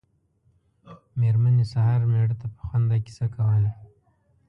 مېرمنې سهار مېړه ته په خوند دا کیسه کوله.